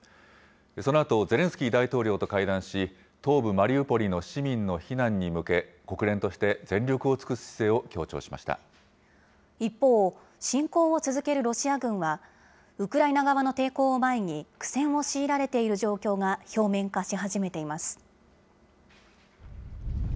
そのあと、ゼレンスキー大統領と会談し、東部マリウポリの市民の避難に向け、国連として全力を尽一方、侵攻を続けるロシア軍は、ウクライナ側の抵抗を前に、苦戦を強いられている状況が表面化し始めています。